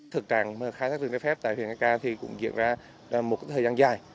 thực trạng khai thác rừng đáy phép tại huyện eka cũng diễn ra một thời gian dài